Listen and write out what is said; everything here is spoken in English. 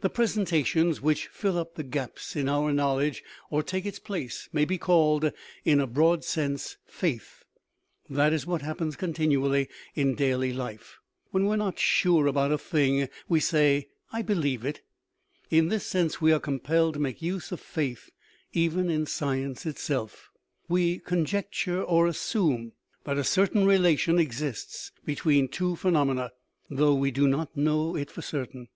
The presentations which fill up the gaps in our knowledge, or take its place, may be called, in a broad sense, "faith." That is what happens continually in daily life. When we are not sure about a thing wei say, I believe it. In this sense we are compelled to make use of faith even in science itself ; we conjecture or assume that a certain relation exists between two phenomena, though we do not know it for certain.